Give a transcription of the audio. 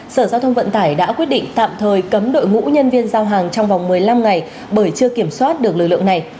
sở giao thông vận tải đã quyết định tạm thời cấm đội ngũ nhân viên giao hàng trong vòng một mươi năm ngày bởi chưa kiểm soát được lực lượng này